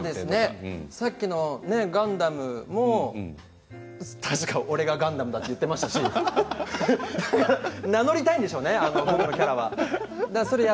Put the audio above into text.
さっきの「ガンダム」も俺がガンダムだとか言っていましたし名乗りたいんでしょうね。